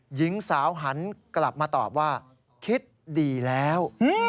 หญิงสาวหันกลับมาตอบว่าคิดดีแล้ว